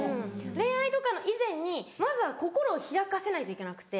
恋愛とか以前にまずは心を開かせないといけなくて。